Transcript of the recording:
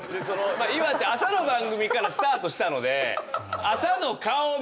朝の番組からスタートしたので。